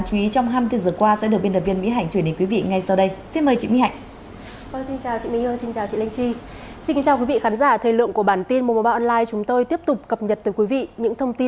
xin chào và hẹn gặp lại trong các video tiếp theo